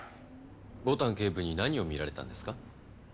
牡丹警部に何を見られたんですか？